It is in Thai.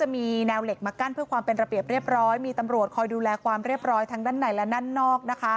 มีแนวเหล็กมากั้นเพื่อความเป็นระเบียบเรียบร้อยมีตำรวจคอยดูแลความเรียบร้อยทั้งด้านในและด้านนอก